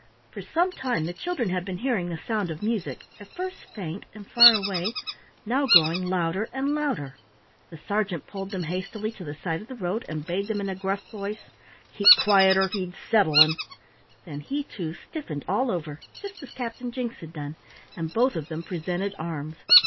For some time the children had been hearing the sound of music, at first faint and far away, now growing louder and louder. The sergeant pulled them hastily to the side of the road, and bade them in a gruff voice, "Keep quiet, or he'd settle 'em!" Then he, too, stiffened all over just as Captain Jinks had done, and both of them presented arms.